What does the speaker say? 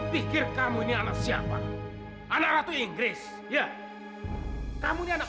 pegi sama raka